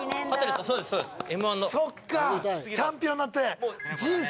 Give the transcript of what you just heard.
そっかチャンピオンになって。